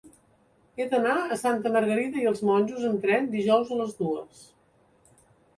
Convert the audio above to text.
He d'anar a Santa Margarida i els Monjos amb tren dijous a les dues.